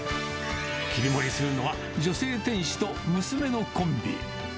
切り盛りするのは、女性店主と娘のコンビ。